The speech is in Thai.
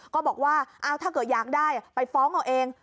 ก็บอกว่าถ้าเกิดอยากได้ไปฟ้องเอาเอง